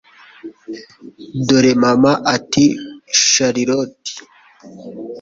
Dore, mama." ati Charlot.